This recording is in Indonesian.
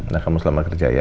nah kamu selama kerja ya